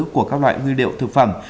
của các loại nguy liệu thực phẩm